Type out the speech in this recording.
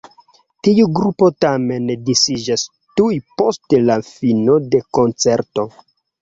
Tiu grupo tamen disiĝas tuj post la fino de koncerto.